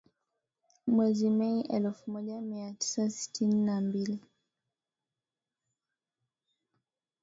Mwezi Mei elfu moja mia tisa sitini na mbili